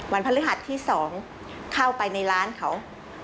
พฤหัสที่๒เข้าไปในร้านเขา